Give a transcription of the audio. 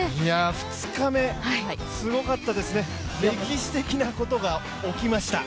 ２日目すごかったですね、歴史的なことが起きました。